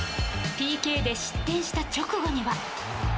ＰＫで失点した直後には。